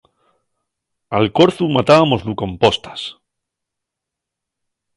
Al corzu matábamoslu con postas.